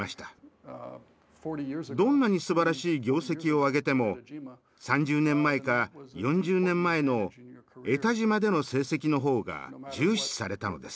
どんなにすばらしい業績を上げても３０年前か４０年前の江田島での成績の方が重視されたのです。